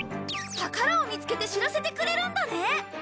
宝を見つけて知らせてくれるんだね！？